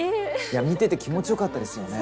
見てて気持ちよかったですよね。